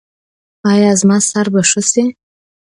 ایا زما سر به ښه شي؟